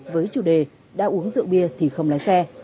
với chủ đề đã uống rượu bia thì không lái xe